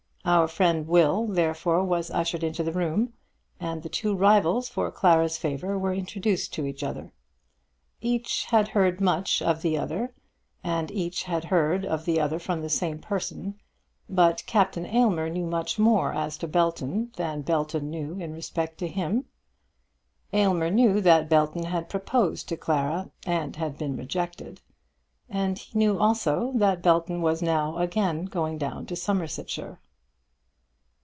Our friend Will, therefore, was ushered into the room, and the two rivals for Clara's favour were introduced to each other. Each had heard much of the other, and each had heard of the other from the same person. But Captain Aylmer knew much more as to Belton than Belton knew in respect to him. Aylmer knew that Belton had proposed to Clara and had been rejected; and he knew also that Belton was now again going down to Somersetshire.